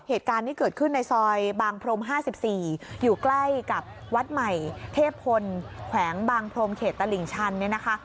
เหตุการณ์นี้เกิดขึ้นในซอยบางพรม๕๔อยู่ใกล้กับวัดใหม่เทพพลแขวงบางพรมเขตตลิ่งชันเนี่ยนะคะ